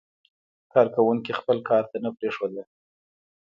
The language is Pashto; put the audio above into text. کارکوونکي خپل کار ته نه پرېښودل.